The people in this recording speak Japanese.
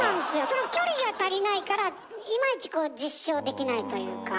その距離が足りないからイマイチこう実証できないというか。